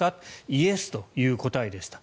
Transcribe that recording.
イエスという答えでした。